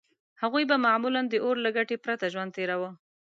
هغوی به معمولاً د اور له ګټې پرته ژوند تېراوه.